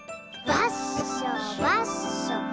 「ばっしょっしょ」